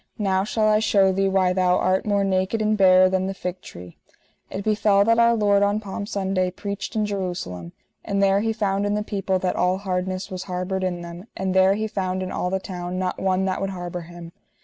Now shall I shew thee why thou art more naked and barer than the fig tree. It befell that Our Lord on Palm Sunday preached in Jerusalem, and there He found in the people that all hardness was harboured in them, and there He found in all the town not one that would harbour him.